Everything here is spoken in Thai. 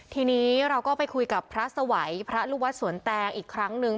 ทีนี้เราก็ไปคุยกับพระสวัยพระลูกวัดสวนแตงอีกครั้งนึง